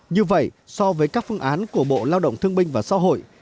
như vậy so với các phương án của bộ lao động thương binh và xã hội